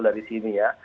dari sini ya